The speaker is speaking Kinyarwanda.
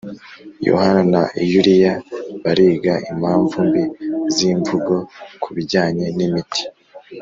yohana na yuliya bariga impamvu mbi z'imvugo kubijyanye n'imiti